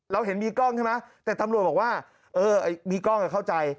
เห็นมีกล้องใช่ไหมแต่ตำรวจบอกว่าเออมีกล้องเข้าใจ